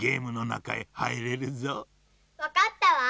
わかったわ。